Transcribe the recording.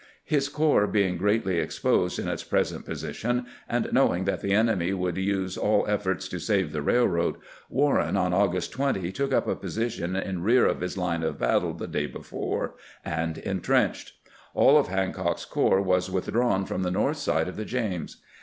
His corps being greatly exposed in its pres ent position, and knowing that the enemy would use all efforts to save the railroad, Warren on August 20 took up a position in rear of his line of battle the day before, and intrenched. AU of Hancock's corps was withdrawn from the north side of the James.